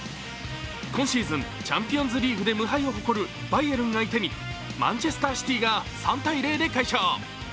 今シーズン、チャンピオンズリーグで無敗を誇るバイエルン相手にマンチェスターシティが３−０で快勝。